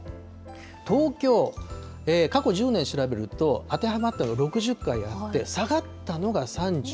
東京、過去１０年調べると、当てはまったのが６０回あって、下がったのが３５回。